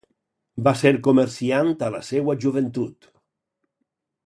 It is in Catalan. Va ser comerciant a la seua joventut.